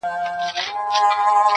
o د بېعقل جواب سکوت دئ!